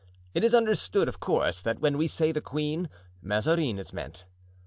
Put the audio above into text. It is understood, of course, that when we say "the queen," Mazarin is meant.